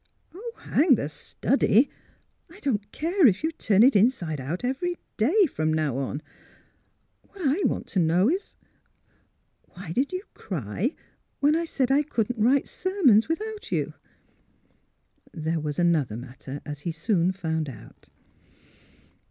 '' Oh, hang the study! I don't care if you turn it inside out every day — from now on. What I want to know is — why did you cry when I said I couldn't write sermons without youf " There was another matter, as he soon found out.